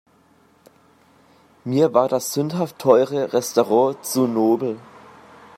Mir war das sündhaft teure Restaurant zu nobel.